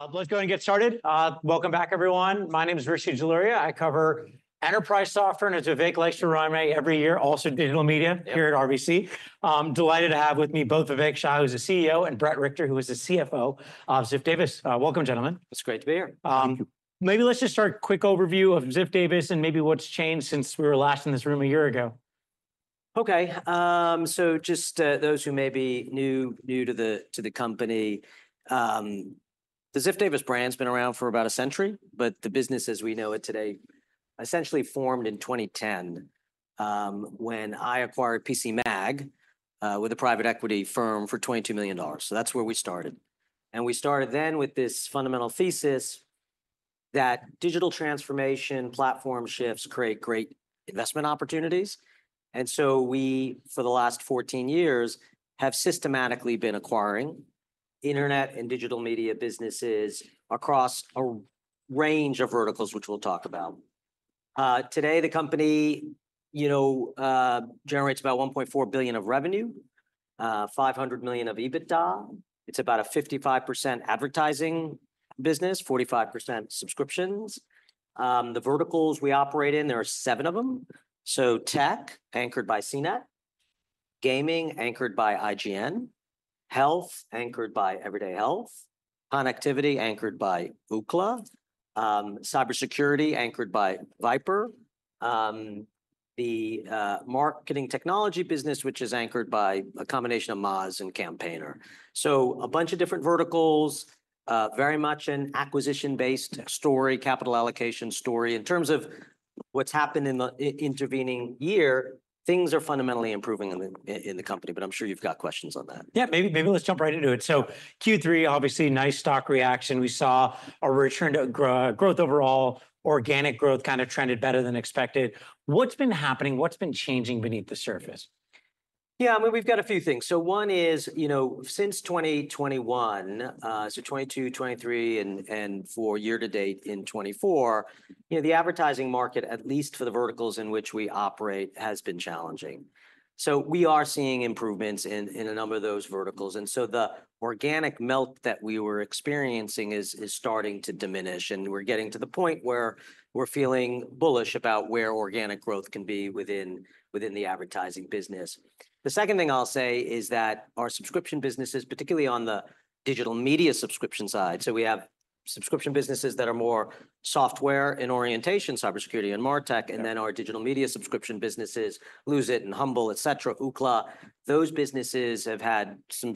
Let's go ahead and get started. Welcome back, everyone. My name is Rishi Jaluria. I cover enterprise software and digital media here at RBC. Delighted to have with me both Vivek Shah, who's the CEO, and Bret Richter, who is the CFO of Ziff Davis. Welcome, gentlemen. It's great to be here. Maybe let's just start a quick overview of Ziff Davis and maybe what's changed since we were last in this room a year ago. Okay. So just those who may be new to the company, the Ziff Davis brand has been around for about a century, but the business as we know it today essentially formed in 2010 when I acquired PCMag with a private equity firm for $22 million. So that's where we started. And we started then with this fundamental thesis that digital transformation platform shifts create great investment opportunities. And so we, for the last 14 years, have systematically been acquiring internet and digital media businesses across a range of verticals, which we'll talk about. Today, the company generates about $1.4 billion of revenue, $500 million of EBITDA. It's about a 55% advertising business, 45% subscriptions. The verticals we operate in, there are seven of them. So tech anchored by CNET, gaming anchored by IGN, health anchored by Everyday Health, connectivity anchored by Ookla, cybersecurity anchored by VIPRE, the marketing technology business, which is anchored by a combination of Moz and Campaigner. So a bunch of different verticals, very much an acquisition-based story, capital allocation story. In terms of what's happened in the intervening year, things are fundamentally improving in the company, but I'm sure you've got questions on that. Yeah, maybe let's jump right into it. So Q3, obviously nice stock reaction. We saw a return to growth overall, organic growth kind of trended better than expected. What's been happening? What's been changing beneath the surface? Yeah, I mean, we've got a few things. So one is, you know, since 2021, so 2022, 2023, and for year to date in 2024, you know, the advertising market, at least for the verticals in which we operate, has been challenging. So we are seeing improvements in a number of those verticals. And so the organic melt that we were experiencing is starting to diminish. And we're getting to the point where we're feeling bullish about where organic growth can be within the advertising business. The second thing I'll say is that our subscription businesses, particularly on the digital media subscription side, so we have subscription businesses that are more software in orientation, cybersecurity and MarTech, and then our digital media subscription businesses, Lose It and Humble, et cetera, Ookla. Those businesses have had some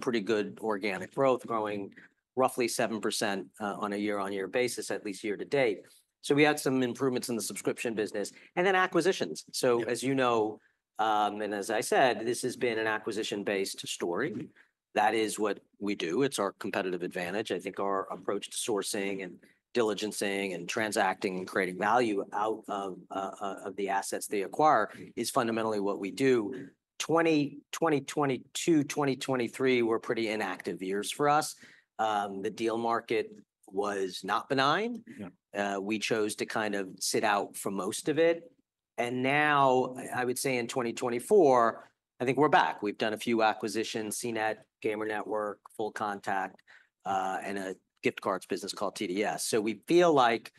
pretty good organic growth, growing roughly 7% on a year-on-year basis, at least year to date, so we had some improvements in the subscription business and then acquisitions, so as you know, and as I said, this has been an acquisition-based story. That is what we do. It's our competitive advantage. I think our approach to sourcing and diligencing and transacting and creating value out of the assets they acquire is fundamentally what we do. 2022-2023 were pretty inactive years for us. The deal market was not benign. We chose to kind of sit out for most of it, and now, I would say in 2024, I think we're back. We've done a few acquisitions, CNET, Gamer Network, FullContact, and a gift cards business called TDS, so we feel like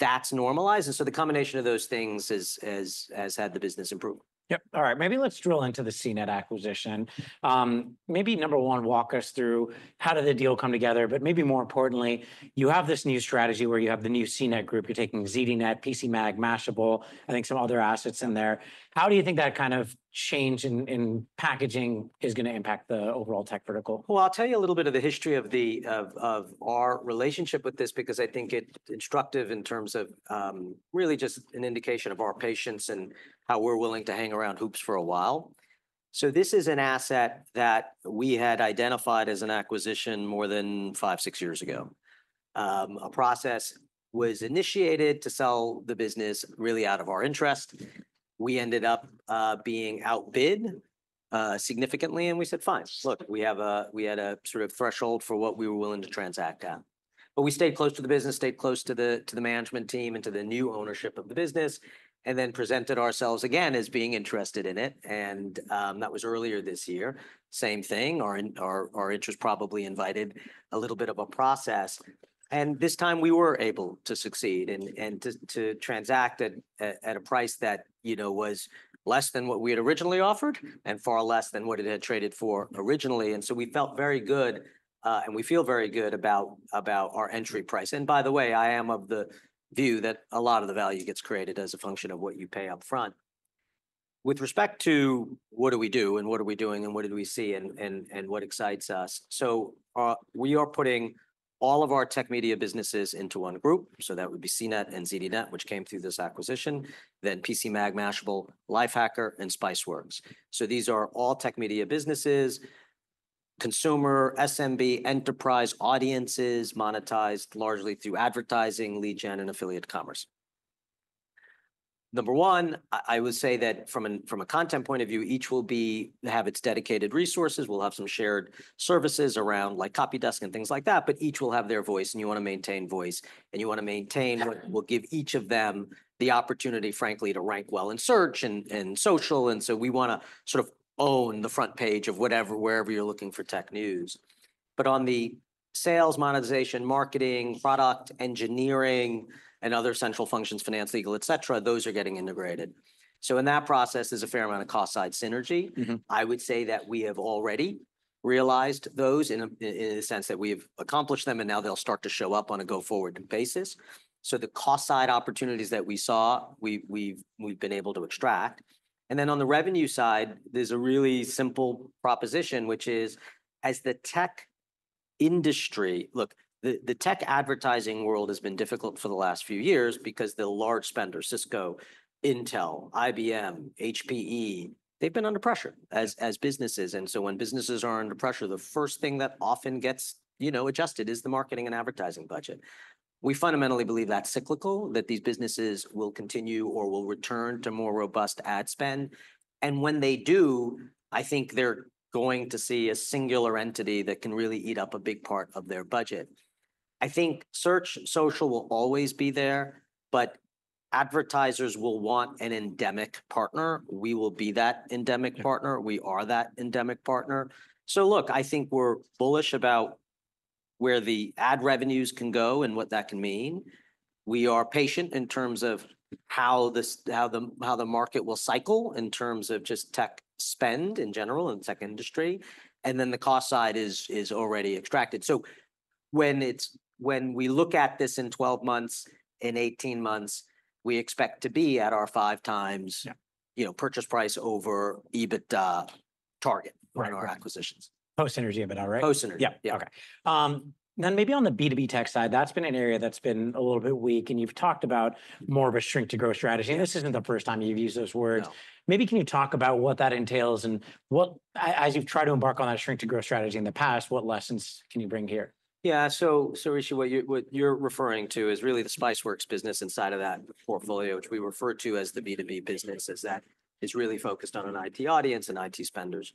that's normalized. The combination of those things has had the business improve. Yep. All right. Maybe let's drill into the CNET acquisition. Maybe number one, walk us through how did the deal come together, but maybe more importantly, you have this new strategy where you have the new CNET group. You're taking ZDNet, PCMag, Mashable, I think some other assets in there. How do you think that kind of change in packaging is going to impact the overall tech vertical? I'll tell you a little bit of the history of our relationship with this because I think it's instructive in terms of really just an indication of our patience and how we're willing to hang around hoops for a while. This is an asset that we had identified as an acquisition more than five, six years ago. A process was initiated to sell the business really out of our interest. We ended up being outbid significantly. We said, "Fine. Look, we had a sort of threshold for what we were willing to transact at." We stayed close to the business, stayed close to the management team and to the new ownership of the business, and then presented ourselves again as being interested in it. That was earlier this year. Same thing, our interest probably invited a little bit of a process. And this time we were able to succeed and to transact at a price that was less than what we had originally offered and far less than what it had traded for originally. And so we felt very good and we feel very good about our entry price. And by the way, I am of the view that a lot of the value gets created as a function of what you pay upfront. With respect to what do we do and what are we doing and what did we see and what excites us, so we are putting all of our tech media businesses into one group. So that would be CNET and ZDNet, which came through this acquisition, then PCMag, Mashable, Lifehacker, and Spiceworks. So these are all tech media businesses, consumer, SMB, enterprise audiences monetized largely through advertising, lead gen, and affiliate commerce. Number one, I would say that from a content point of view, each will have its dedicated resources. We'll have some shared services around like copy desk and things like that, but each will have their voice and you want to maintain voice and you want to maintain what will give each of them the opportunity, frankly, to rank well in search and social. And so we want to sort of own the front page of whatever, wherever you're looking for tech news. But on the sales, monetization, marketing, product engineering, and other central functions, finance, legal, et cetera, those are getting integrated. So in that process is a fair amount of cost-side synergy. I would say that we have already realized those in the sense that we have accomplished them and now they'll start to show up on a go-forward basis. So the cost-side opportunities that we saw, we've been able to extract. And then on the revenue side, there's a really simple proposition, which is as the tech industry, look, the tech advertising world has been difficult for the last few years because the large spender, Cisco, Intel, IBM, HPE, they've been under pressure as businesses. And so when businesses are under pressure, the first thing that often gets adjusted is the marketing and advertising budget. We fundamentally believe that's cyclical, that these businesses will continue or will return to more robust ad spend. And when they do, I think they're going to see a singular entity that can really eat up a big part of their budget. I think search social will always be there, but advertisers will want an endemic partner. We will be that endemic partner. We are that endemic partner. So look, I think we're bullish about where the ad revenues can go and what that can mean. We are patient in terms of how the market will cycle in terms of just tech spend in general and tech industry. And then the cost side is already extracted. So when we look at this in 12 months, in 18 months, we expect to be at our five times purchase price over EBITDA target on our acquisitions. Post-synergy EBITDA, right? Post-synergy. Yeah. Okay, then maybe on the B2B tech side, that's been an area that's been a little bit weak, and you've talked about more of a shrink-to-growth strategy, and this isn't the first time you've used those words. Maybe can you talk about what that entails and what, as you've tried to embark on that shrink-to-growth strategy in the past, what lessons can you bring here? Yeah. So Rishi, what you're referring to is really the Spiceworks business inside of that portfolio, which we refer to as the B2B business, is that it's really focused on an IT audience and IT spenders.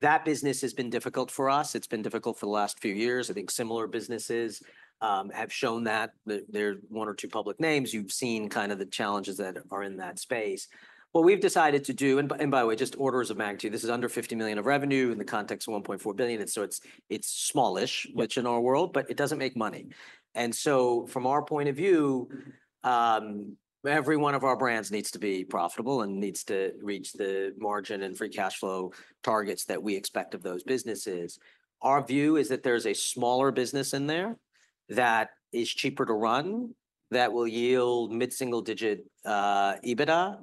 That business has been difficult for us. It's been difficult for the last few years. I think similar businesses have shown that. There's one or two public names. You've seen kind of the challenges that are in that space. What we've decided to do, and by the way, just orders of magnitude, this is under $50 million of revenue in the context of $1.4 billion. And so it's smallish, which in our world, but it doesn't make money. And so from our point of view, every one of our brands needs to be profitable and needs to reach the margin and free cash flow targets that we expect of those businesses. Our view is that there's a smaller business in there that is cheaper to run, that will yield mid-single digit EBITDA,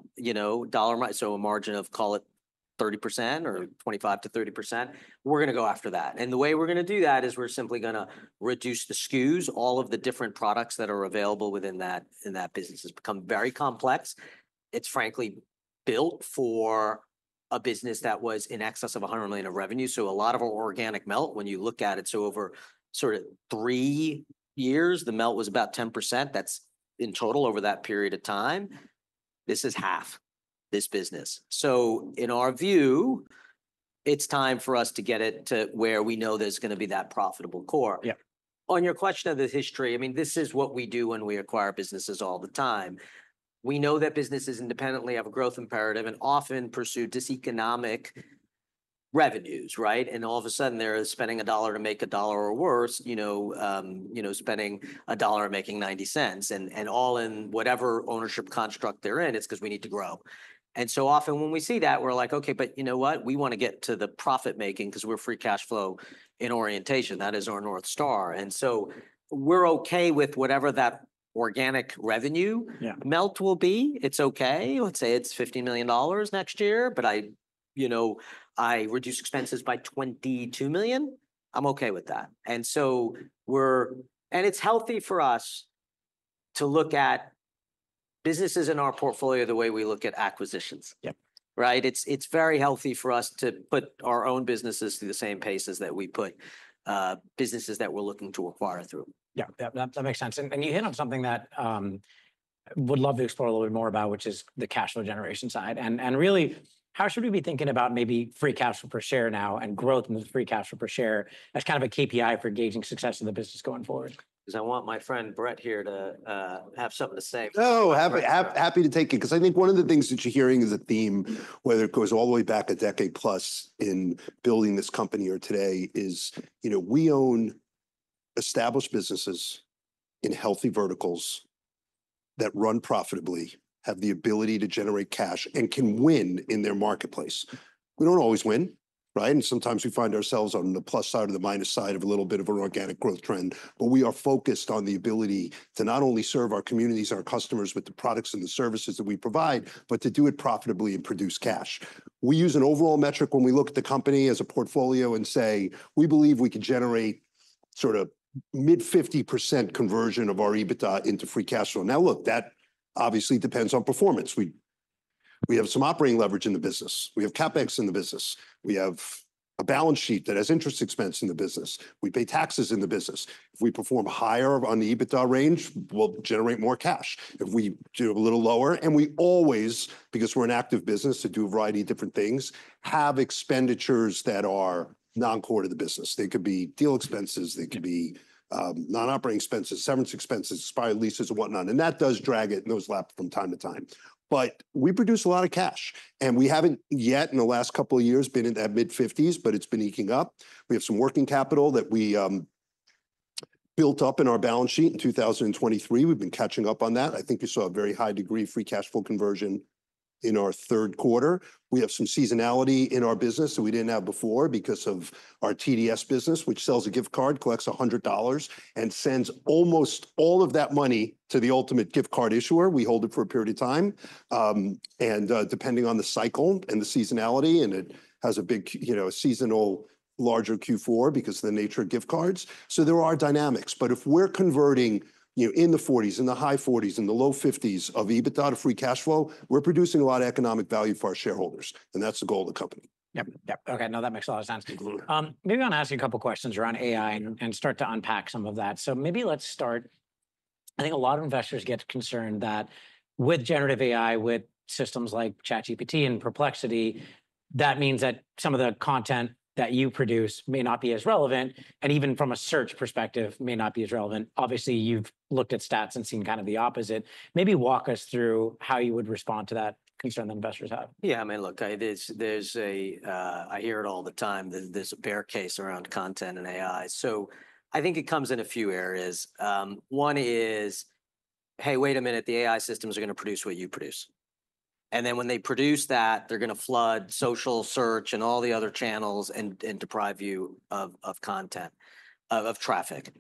so a margin of, call it 30% or 25%-30%. We're going to go after that. And the way we're going to do that is we're simply going to reduce the SKUs. All of the different products that are available within that business have become very complex. It's frankly built for a business that was in excess of $100 million of revenue. So a lot of our organic melt, when you look at it, so over sort of three years, the melt was about 10%. That's in total over that period of time. This is half this business. So in our view, it's time for us to get it to where we know there's going to be that profitable core. On your question of the history, I mean, this is what we do when we acquire businesses all the time. We know that businesses independently have a growth imperative and often pursue diseconomic revenues, right? And all of a sudden, they're spending a dollar to make a dollar or worse, spending a dollar and making $0.90. And all in whatever ownership construct they're in, it's because we need to grow. And so often when we see that, we're like, "Okay, but you know what? We want to get to the profit-making because we're free cash flow in orientation. That is our north star." And so we're okay with whatever that organic revenue melt will be. It's okay. Let's say it's $50 million next year, but I reduce expenses by $22 million. I'm okay with that. It's healthy for us to look at businesses in our portfolio the way we look at acquisitions, right? It's very healthy for us to put our own businesses through the same paces that we put businesses that we're looking to acquire through. Yeah. That makes sense. And you hit on something that I would love to explore a little bit more about, which is the cash flow generation side. And really, how should we be thinking about maybe free cash flow per share now and growth in the free cash flow per share as kind of a KPI for gauging success of the business going forward? Because I want my friend Bret here to have something to say. Oh, happy to take it. Because I think one of the things that you're hearing is a theme, whether it goes all the way back a decade plus in building this company or today, is we own established businesses in healthy verticals that run profitably, have the ability to generate cash, and can win in their marketplace. We don't always win, right? And sometimes we find ourselves on the plus side or the minus side of a little bit of an organic growth trend. But we are focused on the ability to not only serve our communities and our customers with the products and the services that we provide, but to do it profitably and produce cash. We use an overall metric when we look at the company as a portfolio and say, "We believe we can generate sort of mid-50% conversion of our EBITDA into free cash flow." Now, look, that obviously depends on performance. We have some operating leverage in the business. We have CapEx in the business. We have a balance sheet that has interest expense in the business. We pay taxes in the business. If we perform higher on the EBITDA range, we'll generate more cash. If we do a little lower, and we always, because we're an active business to do a variety of different things, have expenditures that are non-core to the business. They could be deal expenses. They could be non-operating expenses, severance expenses, expired leases, and whatnot. And that does drag it in those lapses from time to time, but we produce a lot of cash. We haven't yet in the last couple of years been at mid-50s, but it's been eking up. We have some working capital that we built up in our balance sheet in 2023. We've been catching up on that. I think you saw a very high degree of free cash flow conversion in our third quarter. We have some seasonality in our business that we didn't have before because of our TDS business, which sells a gift card, collects $100, and sends almost all of that money to the ultimate gift card issuer. We hold it for a period of time. Depending on the cycle and the seasonality, and it has a big seasonal larger Q4 because of the nature of gift cards. There are dynamics. But if we're converting in the 40s, in the high 40s, in the low 50s of EBITDA to free cash flow, we're producing a lot of economic value for our shareholders. And that's the goal of the company. Yep. Yep. Okay. No, that makes a lot of sense. Maybe I'll ask you a couple of questions around AI and start to unpack some of that. So maybe let's start. I think a lot of investors get concerned that with generative AI, with systems like ChatGPT and Perplexity, that means that some of the content that you produce may not be as relevant and even from a search perspective may not be as relevant. Obviously, you've looked at stats and seen kind of the opposite. Maybe walk us through how you would respond to that concern that investors have. Yeah. I mean, look, there's a. I hear it all the time, there's a bear case around content and AI. So I think it comes in a few areas. One is, "Hey, wait a minute, the AI systems are going to produce what you produce." And then when they produce that, they're going to flood social search and all the other channels and deprive you of content, of traffic.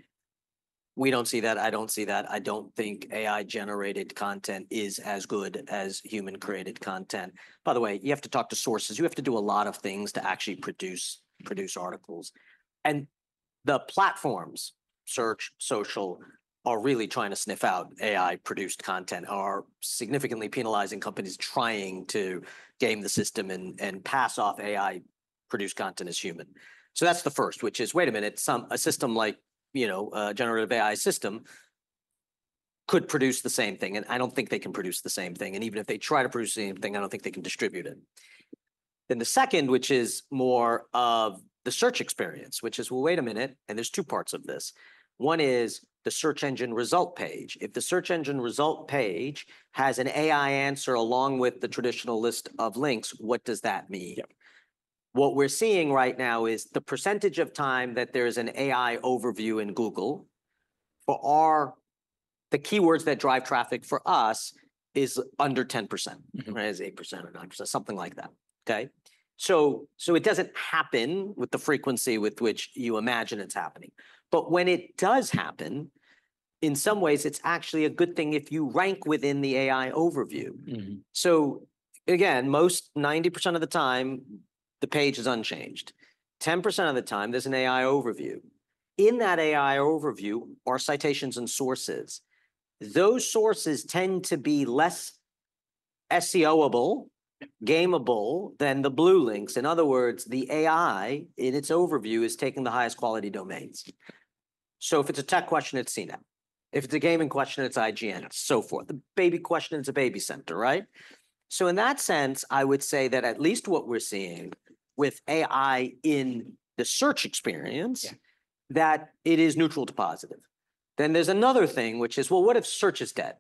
We don't see that. I don't see that. I don't think AI-generated content is as good as human-created content. By the way, you have to talk to sources. You have to do a lot of things to actually produce articles. And the platforms, search, social, are really trying to sniff out AI-produced content, are significantly penalizing companies trying to game the system and pass off AI-produced content as human. That's the first, which is, wait a minute, a system like a generative AI system could produce the same thing. And I don't think they can produce the same thing. And even if they try to produce the same thing, I don't think they can distribute it. Then the second, which is more of the search experience, which is, well, wait a minute, and there's two parts of this. One is the search engine result page. If the search engine result page has an AI answer along with the traditional list of links, what does that mean? What we're seeing right now is the percentage of time that there is an AI overview in Google for our keywords that drive traffic for us is under 10%, is 8% or 9%, something like that. Okay? So it doesn't happen with the frequency with which you imagine it's happening. But when it does happen, in some ways, it's actually a good thing if you rank within the AI overview. So again, most 90% of the time, the page is unchanged. 10% of the time, there's an AI overview. In that AI overview, our citations and sources, those sources tend to be less SEO-able, gameable than the blue links. In other words, the AI in its overview is taking the highest quality domains. So if it's a tech question, it's CNET. If it's a gaming question, it's IGN, so forth. The baby question, it's BabyCenter, right? So in that sense, I would say that at least what we're seeing with AI in the search experience, that it is neutral to positive. Then there's another thing, which is, well, what if search is dead?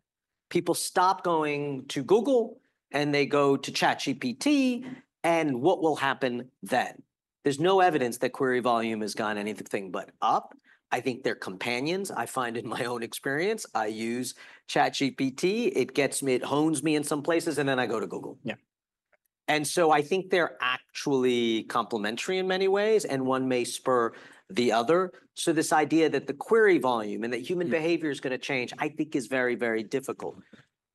People stop going to Google and they go to ChatGPT, and what will happen then? There's no evidence that query volume has gone anything but up. I think they're companions. I find in my own experience, I use ChatGPT. It gets me, it hones me in some places, and then I go to Google. Yeah. And so I think they're actually complementary in many ways, and one may spur the other. So this idea that the query volume and that human behavior is going to change, I think is very, very difficult.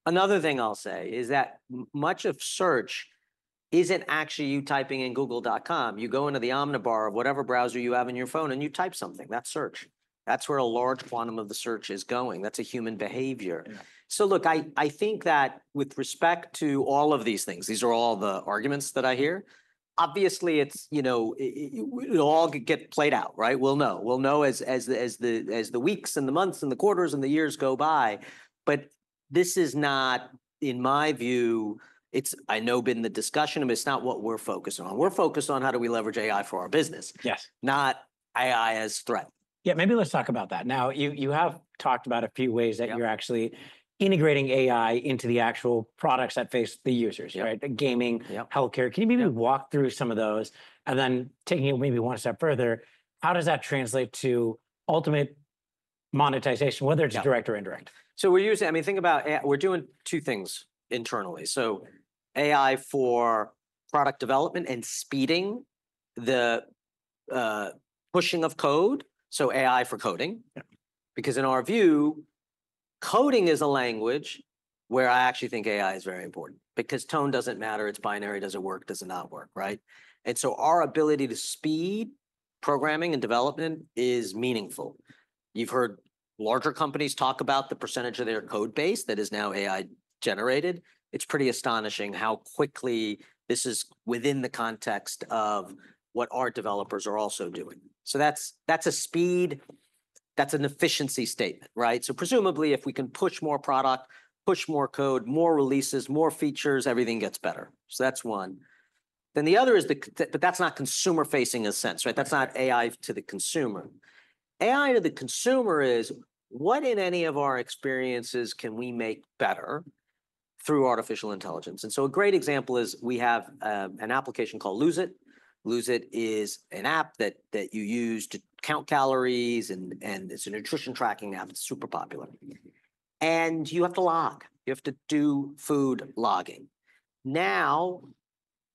Another thing I'll say is that much of search isn't actually you typing in google.com. You go into the Omnibar of whatever browser you have on your phone and you type something. That's search. That's where a large quantum of the search is going. That's a human behavior. So look, I think that with respect to all of these things, these are all the arguments that I hear. Obviously, it'll all get played out, right? We'll know. We'll know as the weeks and the months and the quarters and the years go by. But this is not, in my view, it's, I know, been the discussion, but it's not what we're focusing on. We're focused on how do we leverage AI for our business, not AI as threat. Yeah. Maybe let's talk about that. Now, you have talked about a few ways that you're actually integrating AI into the actual products that face the users, right? The gaming, healthcare. Can you maybe walk through some of those? And then taking it maybe one step further, how does that translate to ultimate monetization, whether it's direct or indirect? So we're using, I mean, think about, we're doing two things internally. So AI for product development and speeding the pushing of code. So AI for coding. Because in our view, coding is a language where I actually think AI is very important. Because tone doesn't matter. It's binary. Does it work? Does it not work? Right? And so our ability to speed programming and development is meaningful. You've heard larger companies talk about the percentage of their code base that is now AI-generated. It's pretty astonishing how quickly this is within the context of what our developers are also doing. So that's a speed, that's an efficiency statement, right? So presumably, if we can push more product, push more code, more releases, more features, everything gets better. So that's one. Then the other is the, but that's not consumer-facing in a sense, right? That's not AI to the consumer. AI to the consumer is what? In any of our experiences, can we make better through artificial intelligence? And so a great example is we have an application called Lose It. Lose It is an app that you use to count calories and it's a nutrition tracking app. It's super popular. And you have to log. You have to do food logging. Now,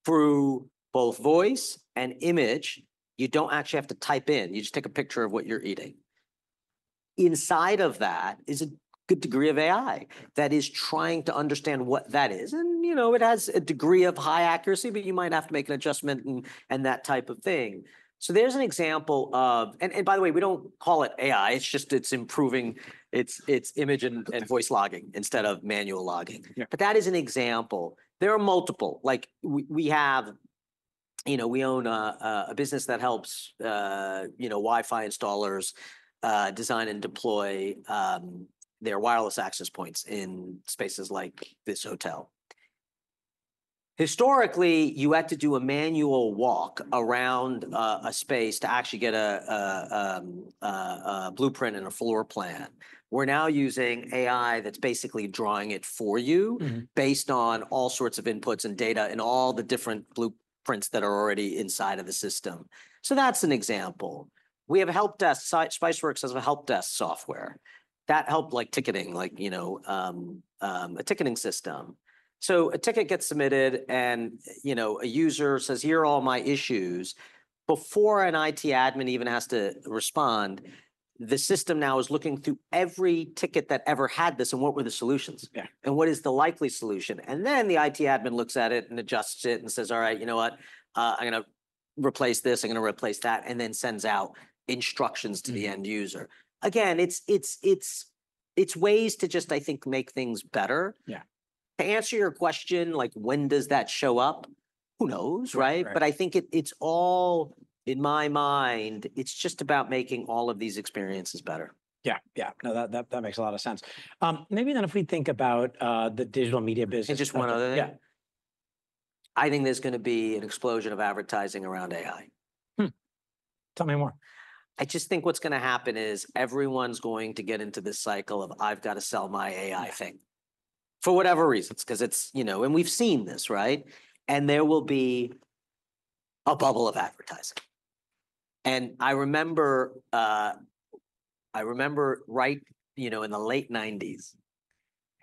through both voice and image, you don't actually have to type in. You just take a picture of what you're eating. Inside of that is a good degree of AI that is trying to understand what that is. And it has a degree of high accuracy, but you might have to make an adjustment and that type of thing. So there's an example of, and by the way, we don't call it AI. It's just improving its image and voice logging instead of manual logging. But that is an example. There are multiple. We own a business that helps Wi-Fi installers design and deploy their wireless access points in spaces like this hotel. Historically, you had to do a manual walk around a space to actually get a blueprint and a floor plan. We're now using AI that's basically drawing it for you based on all sorts of inputs and data and all the different blueprints that are already inside of the system. So that's an example. We have help desk. Spiceworks has a help desk software that helps like ticketing, like a ticketing system. So a ticket gets submitted and a user says, "Here are all my issues." Before an IT admin even has to respond, the system now is looking through every ticket that ever had this and what were the solutions and what is the likely solution. Then the IT admin looks at it and adjusts it and says, "All right, you know what? I'm going to replace this. I'm going to replace that," and then sends out instructions to the end user. Again, it's ways to just, I think, make things better. To answer your question, like when does that show up? Who knows, right? But I think it's all, in my mind, it's just about making all of these experiences better. Yeah. Yeah. No, that makes a lot of sense. Maybe then if we think about the digital media business. Just one other thing. I think there's going to be an explosion of advertising around AI. Tell me more. I just think what's going to happen is everyone's going to get into this cycle of, "I've got to sell my AI thing for whatever reasons," because it's, and we've seen this, right? And there will be a bubble of advertising. And I remember right in the late 1990s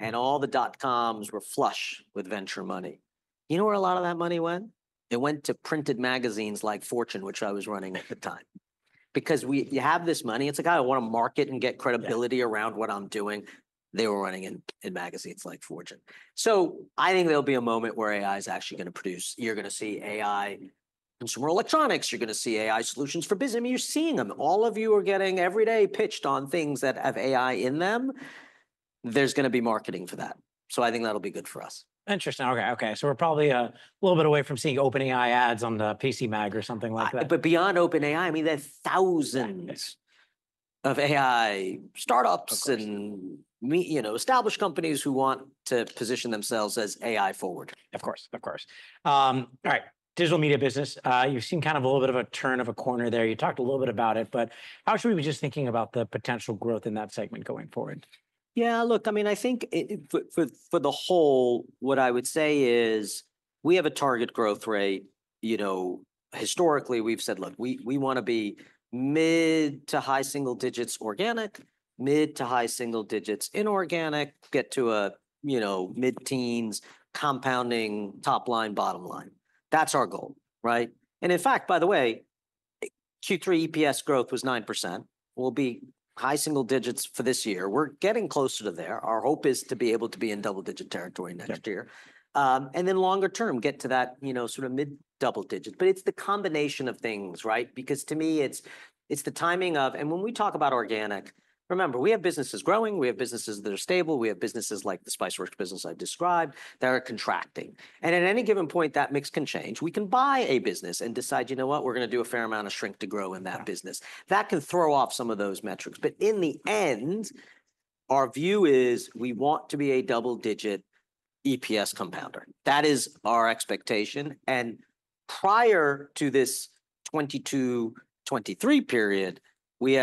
and all the dot-coms were flush with venture money. You know where a lot of that money went? It went to printed magazines like Fortune, which I was running at the time. Because you have this money, it's like, "I want to market and get credibility around what I'm doing." They were running in magazines like Fortune. So I think there'll be a moment where AI is actually going to produce, you're going to see AI consumer electronics, you're going to see AI solutions for business. I mean, you're seeing them. All of you are getting every day pitched on things that have AI in them. There's going to be marketing for that. So I think that'll be good for us. Interesting. Okay. Okay. So we're probably a little bit away from seeing OpenAI ads on the PCMag or something like that. But beyond OpenAI, I mean, there are thousands of AI startups and established companies who want to position themselves as AI forward. Of course. Of course. All right. Digital media business. You've seen kind of a little bit of a turn of a corner there. You talked a little bit about it, but how should we be just thinking about the potential growth in that segment going forward? Yeah. Look, I mean, I think for the whole, what I would say is we have a target growth rate. Historically, we've said, "Look, we want to be mid to high single digits organic, mid to high single digits inorganic, get to mid-teens, compounding top line, bottom line." That's our goal, right? And in fact, by the way, Q3 EPS growth was 9%. We'll be high single digits for this year. We're getting closer to there. Our hope is to be able to be in double-digit territory next year. And then longer term, get to that sort of mid double digit. But it's the combination of things, right? Because to me, it's the timing of, and when we talk about organic, remember, we have businesses growing. We have businesses that are stable. We have businesses like the Spiceworks business I described that are contracting. At any given point, that mix can change. We can buy a business and decide, "You know what? We're going to do a fair amount of shrink to grow in that business." That can throw off some of those metrics. But in the end, our view is we want to be a double-digit EPS compounder. That is our expectation. And prior to this 2022, 2023 period, we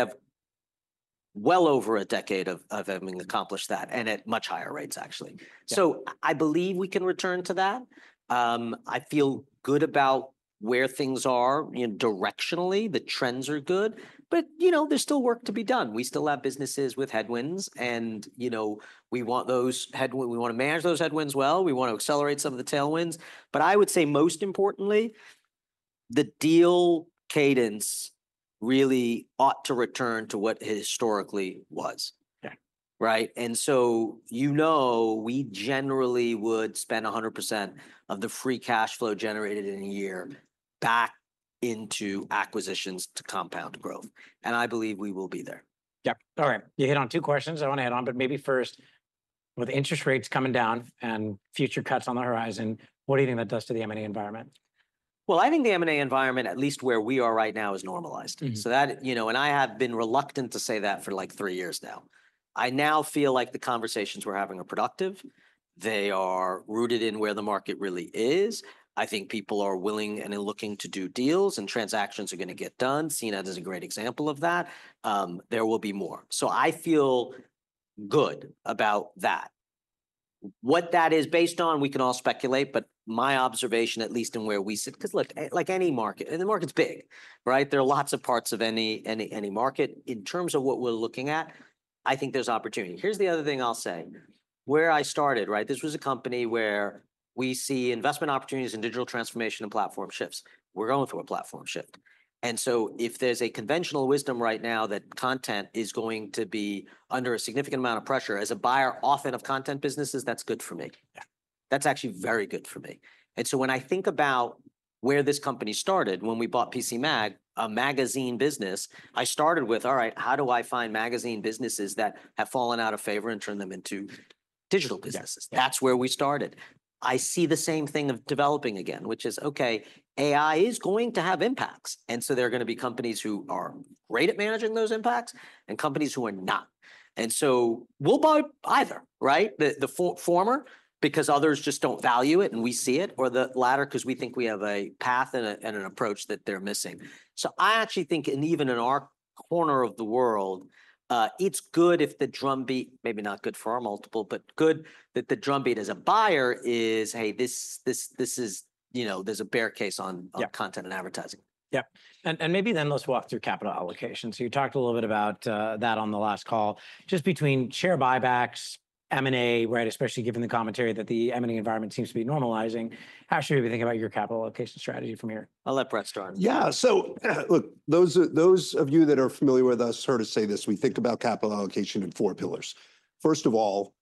have well over a decade of having accomplished that and at much higher rates, actually. So I believe we can return to that. I feel good about where things are directionally. The trends are good, but there's still work to be done. We still have businesses with headwinds, and we want those headwinds. We want to manage those headwinds well. We want to accelerate some of the tailwinds. But I would say most importantly, the deal cadence really ought to return to what historically was. Right? And so you know we generally would spend 100% of the free cash flow generated in a year back into acquisitions to compound growth. And I believe we will be there. Yep. All right. You hit on two questions. I want to add on, but maybe first, with interest rates coming down and future cuts on the horizon, what do you think that does to the M&A environment? I think the M&A environment, at least where we are right now, is normalized. I have been reluctant to say that for like three years now. I now feel like the conversations we're having are productive. They are rooted in where the market really is. I think people are willing and looking to do deals, and transactions are going to get done. CNET is a great example of that. There will be more. I feel good about that. What that is based on, we can all speculate, but my observation, at least in where we sit, because look, like any market, and the market's big, right? There are lots of parts of any market. In terms of what we're looking at, I think there's opportunity. Here's the other thing I'll say. Where I started, right? This was a company where we see investment opportunities in digital transformation and platform shifts. We're going through a platform shift. And so if there's a conventional wisdom right now that content is going to be under a significant amount of pressure as a buyer often of content businesses, that's good for me. That's actually very good for me. And so when I think about where this company started, when we bought PCMag, a magazine business, I started with, "All right, how do I find magazine businesses that have fallen out of favor and turn them into digital businesses?" That's where we started. I see the same thing of developing again, which is, "Okay, AI is going to have impacts." And so there are going to be companies who are great at managing those impacts and companies who are not. And so we'll buy either, right? The former, because others just don't value it and we see it, or the latter because we think we have a path and an approach that they're missing. So I actually think, even in our corner of the world, it's good if the drumbeat, maybe not good for our multiple, but good that the drumbeat as a buyer is, "Hey, this is, there's a bear case on content and advertising. Yep. And maybe then let's walk through capital allocation. So you talked a little bit about that on the last call. Just between share buybacks, M&A, right? Especially given the commentary that the M&A environment seems to be normalizing. How should we be thinking about your capital allocation strategy from here? I'll let Bret start. Yeah. So look, those of you that are familiar with us heard us say this. We think about capital allocation in four pillars. First of all,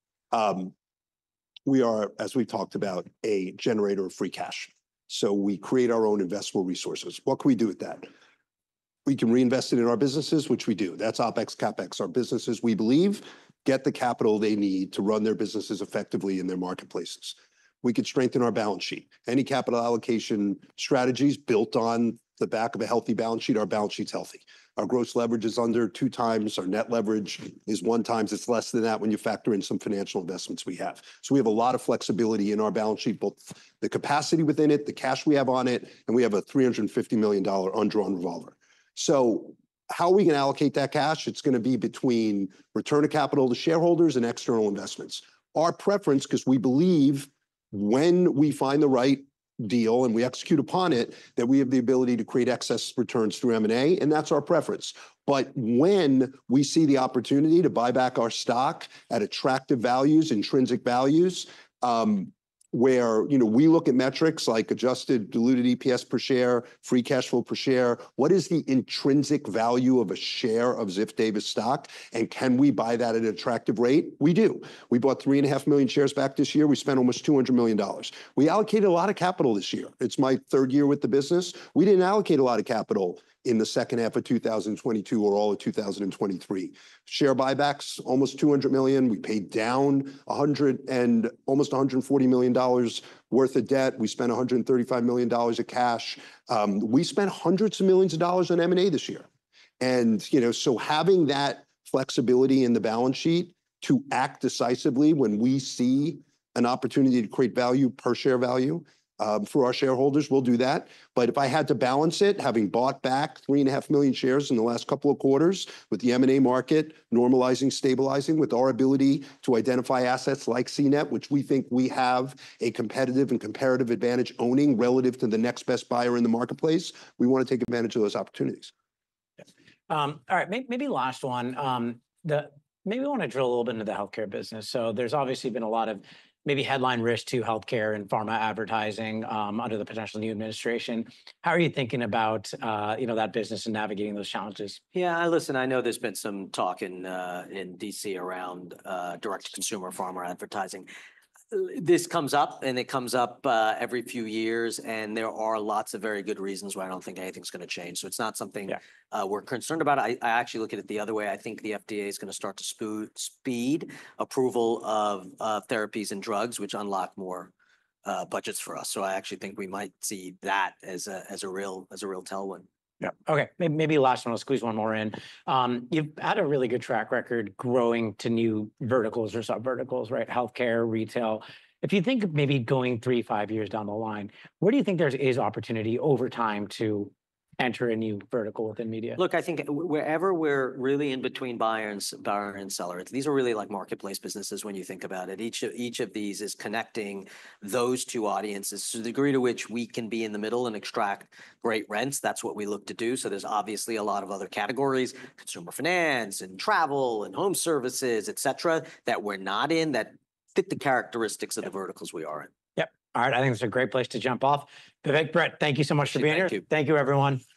we are, as we talked about, a generator of free cash. So we create our own investable resources. What can we do with that? We can reinvest it in our businesses, which we do. That's OpEx, CapEx. Our businesses, we believe, get the capital they need to run their businesses effectively in their marketplaces. We could strengthen our balance sheet. Any capital allocation strategies built on the back of a healthy balance sheet, our balance sheet's healthy. Our gross leverage is under two times. Our net leverage is one times. It's less than that when you factor in some financial investments we have. So we have a lot of flexibility in our balance sheet, both the capacity within it, the cash we have on it, and we have a $350 million undrawn revolver. So how are we going to allocate that cash? It's going to be between return to capital to shareholders and external investments. Our preference, because we believe when we find the right deal and we execute upon it, that we have the ability to create excess returns through M&A, and that's our preference. But when we see the opportunity to buy back our stock at attractive values, intrinsic values, where we look at metrics like adjusted diluted EPS per share, free cash flow per share, what is the intrinsic value of a share of Ziff Davis stock? And can we buy that at an attractive rate? We do. We bought 3.5 million shares back this year. We spent almost $200 million. We allocated a lot of capital this year. It's my third year with the business. We didn't allocate a lot of capital in the second half of 2022 or all of 2023. Share buybacks, almost $200 million. We paid down almost $140 million worth of debt. We spent $135 million of cash. We spent hundreds of millions of dollars on M&A this year. And so having that flexibility in the balance sheet to act decisively when we see an opportunity to create value per share value for our shareholders, we'll do that. But if I had to balance it, having bought back 3.5 million shares in the last couple of quarters with the M&A market normalizing, stabilizing with our ability to identify assets like CNET, which we think we have a competitive and comparative advantage owning relative to the next best buyer in the marketplace, we want to take advantage of those opportunities. All right. Maybe last one. Maybe we want to drill a little bit into the healthcare business. So there's obviously been a lot of maybe headline risk to healthcare and pharma advertising under the potential new administration. How are you thinking about that business and navigating those challenges? Yeah. Listen, I know there's been some talk in DC around direct-to-consumer pharma advertising. This comes up, and it comes up every few years, and there are lots of very good reasons why I don't think anything's going to change. So it's not something we're concerned about. I actually look at it the other way. I think the FDA is going to start to speed approval of therapies and drugs, which unlock more budgets for us. So I actually think we might see that as a real tailwind. Yep. Okay. Maybe last one. I'll squeeze one more in. You've had a really good track record growing to new verticals or sub-verticals, right? Healthcare, retail. If you think of maybe going three, five years down the line, where do you think there is opportunity over time to enter a new vertical within media? Look, I think wherever we're really in between buyer and seller. These are really like marketplace businesses when you think about it. Each of these is connecting those two audiences. The degree to which we can be in the middle and extract great rents, that's what we look to do. There's obviously a lot of other categories: consumer finance and travel and home services, et cetera, that we're not in that fit the characteristics of the verticals we are in. Yep. All right. I think it's a great place to jump off. Vivek, Bret, thank you so much for being here. Thank you. Thank you, everyone.